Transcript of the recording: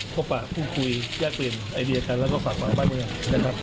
พบปะพูดคุยแยกเปลี่ยนไอเดียกันแล้วก็ฝากฝังบ้านเมืองนะครับ